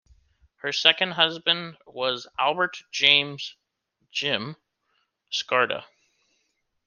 Her second husband was Albert James "Jim" Skarda.